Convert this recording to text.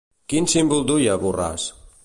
Quin símbol duia Borràs?